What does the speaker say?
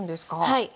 はい。